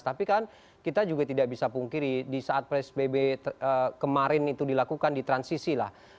tapi kan kita juga tidak bisa pungkiri di saat psbb kemarin itu dilakukan di transisi lah